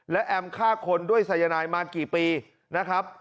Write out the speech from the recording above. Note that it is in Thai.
และแอมฆ่าคนด้วยสายนายมากี่ปีนะครับ